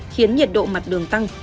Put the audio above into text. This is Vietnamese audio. khiến nhiệt độ mặt đường tăng